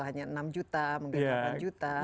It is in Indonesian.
hanya enam juta mungkin delapan juta